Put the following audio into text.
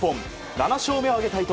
７勝目を挙げた伊藤。